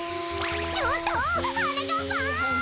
ちょっとはなかっぱん！